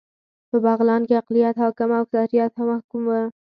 په بغلان کې اقليت حاکم او اکثريت محکوم و